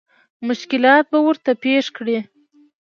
مشکلات به ورته پېښ کړي.